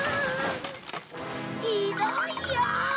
ひどいよ！